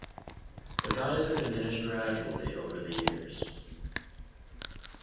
The geyser diminished gradually over the years.